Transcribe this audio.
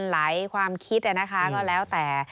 หลายความคิดก็แล้วแต่